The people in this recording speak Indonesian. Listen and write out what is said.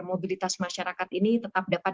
mobilitas masyarakat ini tetap dapat